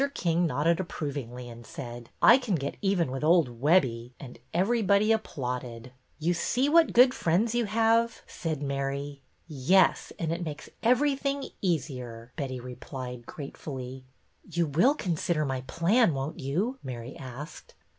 King nodded approvingly and said :'' I can get even with old Webbie," and every body applauded. You see what good friends you have," said Mary. Yes, and it makes everything easier," Betty replied, gratefully. You will consider my plan, won't you?" Mary asked.